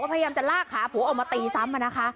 ว่าพยายามจะลากขาผัวออกมาตีซ้ำอะนะคะ